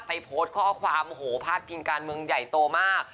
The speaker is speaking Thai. ไปโพสต์ข้อความโหภทปิจารณ์เมืองใหญ่โตมาก